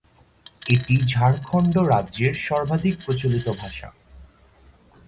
এটি ঝাড়খণ্ড রাজ্যের সর্বাধিক প্রচলিত ভাষা।